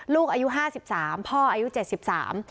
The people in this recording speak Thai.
ลูกอายุห้าสิบสามพ่ออายุเจ็ดสิบสาม